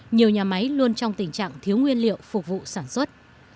nhiều nhà máy luôn trong tình trạng thiếu nguyên liệu phục vụ sản xuất